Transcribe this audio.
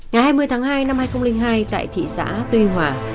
ngày hai mươi tháng hai năm hai nghìn hai tại thị xã tuy hòa